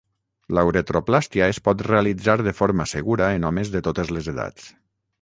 La uretroplàstia es pot realitzar de forma segura en homes de totes les edats.